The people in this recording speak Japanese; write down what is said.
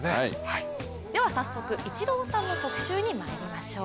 では早速、イチローさんの特集にまいりましょう。